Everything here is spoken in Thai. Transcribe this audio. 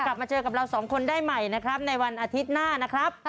กลับมาเจอกับเราสองคนได้ใหม่นะครับในวันอาทิตย์หน้านะครับ